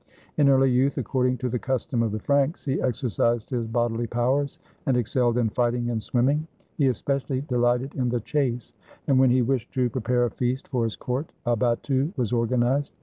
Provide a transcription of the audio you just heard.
In early youth, according to the custom of the Franks, he exercised his bodily powers, and excelled in fighting and swimming. He especially delighted in the chase, and when he 165 FRANCE wished to prepare a feast for his court, a battue was organized.